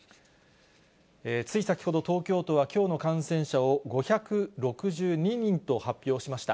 つい先ほど、東京都はきょうの感染者を５６２人と発表しました。